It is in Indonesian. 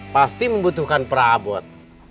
pasti membutuhkan prabut